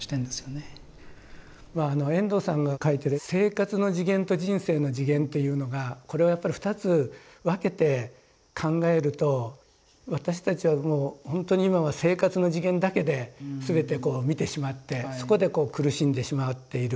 遠藤さんが書いてる「生活の次元」と「人生の次元」っていうのがこれはやっぱり二つ分けて考えると私たちはもうほんとに今は生活の次元だけで全て見てしまってそこでこう苦しんでしまっている。